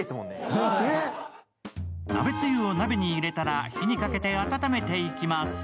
鍋つゆを鍋に入れたら火にかけて温めていきます。